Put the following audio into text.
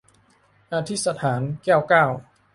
อธิษฐาน - แก้วเก้า